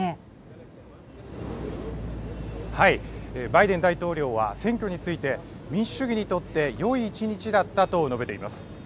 バイデン大統領は選挙について民主主義にとってよい１日だったと述べています。